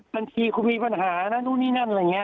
ตั้งทีมีปัญหาดูนี่นั่นอะไรอย่างเนี้ย